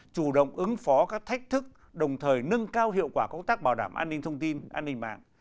chủ động ứng phó các thách thức đồng thời nâng cao hiệu quả công tác bảo đảm an ninh thông tin an ninh mạng